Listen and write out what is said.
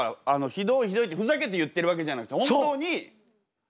「ひどいひどい」ってふざけて言ってるわけじゃなくて本当になんだよね？